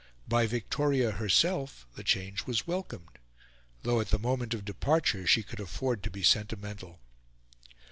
By Victoria herself the change was welcomed, though, at the moment of departure, she could afford to be sentimental.